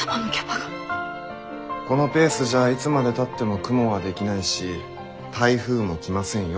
このペースじゃいつまでたっても雲は出来ないし台風も来ませんよ？